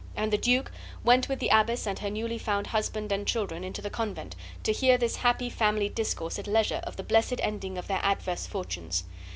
And the duke went with the abbess and her newly found husband and children into the convent, to hear this happy family discourse at leisure of the blessed ending of their adverse fortunes.